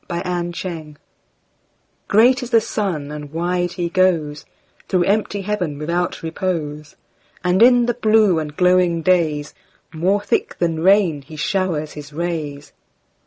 Summer Sun GREAT is the sun, and wide he goesThrough empty heaven without repose; And in the blue and glowing daysMore thick than rain he showers his rays.